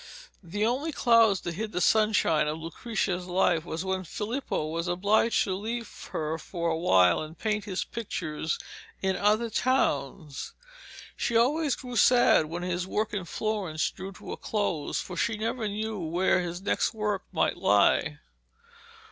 The only clouds that hid the sunshine of Lucrezia's life was when Filippo was obliged to leave her for a while and paint his pictures in other towns. She always grew sad when his work in Florence drew to a close, for she never knew where his next work might lie.